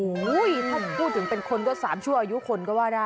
ถ้าพูดถึงเป็นคนก็๓ชั่วอายุคนก็ว่าได้